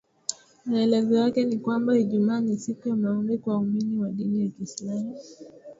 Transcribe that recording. Maelezo yake ni kwamba Ijumaa ni siku ya maombi kwa waumini wa dini ya kiislamu